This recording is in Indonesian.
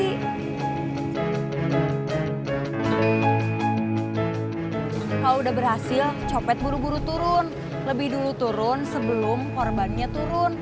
kalau udah berhasil copet buru buru turun lebih dulu turun sebelum korbannya turun